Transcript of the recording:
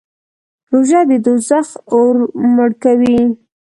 روژه د دوزخ اور مړ کوي.